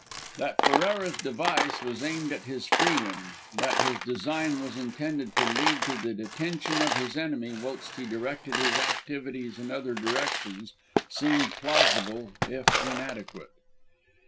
That Ferrara's device was aimed at his freedom, that his design was intended to lead to the detention of his enemy whilst he directed his activities in other directions, seemed plausible, if inadequate.